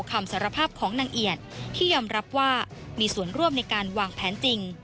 คำสารภาพของนางเอียดที่ยอมรับว่ามีส่วนร่วมในการวางแผนจริง